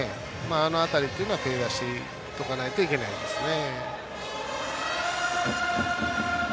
あの辺りっていうのは手を出しておかないといけないですね。